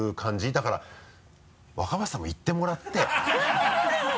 だから若林さんも行ってもらってハハハ